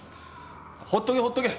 ほっとけほっとけ。